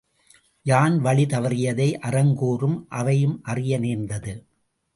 யான் வழி தவறியதை அறம் கூறும் அவையும் அறிய நேர்ந்தது.